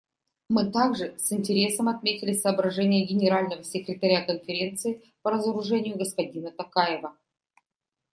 Мы также с интересом отметили соображения Генерального секретаря Конференции по разоружению господина Токаева.